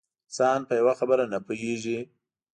انسان په یوه خبره نه پوهېږي.